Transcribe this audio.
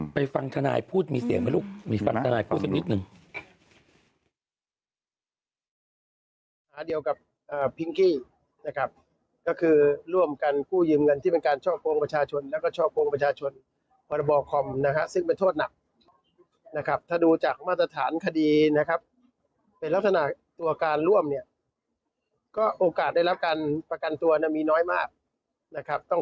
ฟังทนายพูดมีเสียงไหมลูกมีฟังทนายพูดสักนิดหนึ่ง